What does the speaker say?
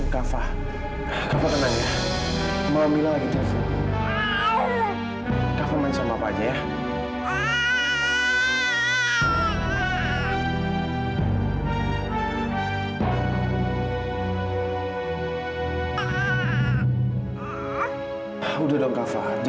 kak fadil tidak perlu menjelaskan apa apa